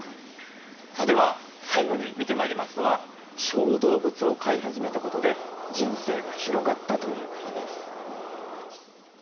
では最後に見てまいりますのは小動物を飼い始めたことで人生が広がったという方です。